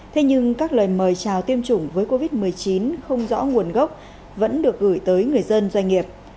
thế nhưng các lời mời chào tiêm chủng với covid một mươi chín không rõ nguồn gốc vẫn được gửi tới người dân doanh nghiệp